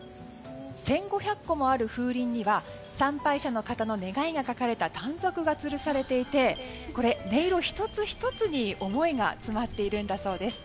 １５００個もある風鈴には参拝者の方の願いが書かれた短冊がつるされていてこれ、音色１つ１つに思いが詰まっているんだそうです。